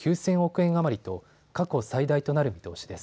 円余りと過去最大となる見通しです。